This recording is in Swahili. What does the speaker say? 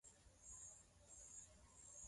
Jembe ya mama aina tena makari